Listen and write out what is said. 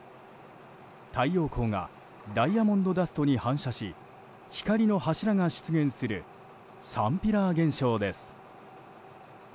太陽光がダイヤモンドダストに反射し光の柱が出現するサンピラー現象です。